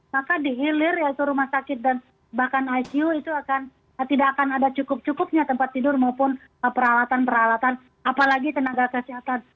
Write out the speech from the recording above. maka di hilir yaitu rumah sakit dan bahkan icu itu tidak akan ada cukup cukupnya tempat tidur maupun peralatan peralatan apalagi tenaga kesehatan